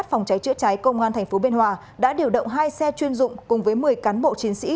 công an thành phố biên hòa đã điều động hai xe chuyên dụng cùng với một mươi cán bộ chiến sĩ